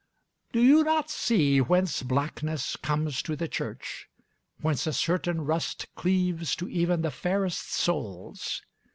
Do you not see whence blackness comes to the Church whence a certain rust cleaves to even the fairest souls?